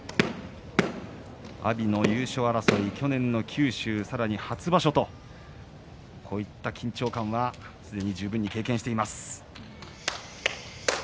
阿炎の優勝争い、去年の九州さらに初場所とこういった緊張感はすでに十分経験しています。